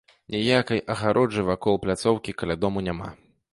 Ніякай агароджы вакол пляцоўкі каля дома няма.